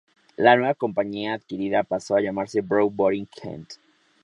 La nueva compañía adquirida pasó a llamarse Brown Boveri Kent.